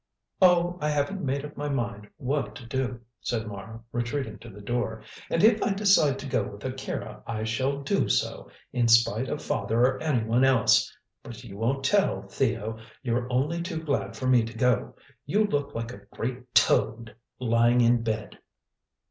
"Oh, I haven't made up my mind what to do," said Mara, retreating to the door. "And if I decide to go with Akira, I shall do so, in spite of father or anyone else. But you won't tell, Theo; you're only too glad for me to go. You look like a great toad lying in bed."